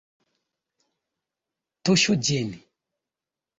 Tuŝu ĝin!